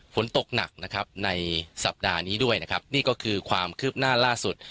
ฝนตกหนักนะครับในสัปดาห์นี้ด้วยนะครับนี่ก็คือความคืบหน้าล่าสุด